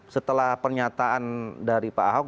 setelah pernyataan dari pak ahok